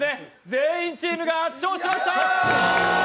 全員チームが圧勝しました。